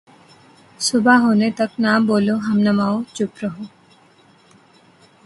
صبح ہونے تک نہ بولو ہم نواؤ ، چُپ رہو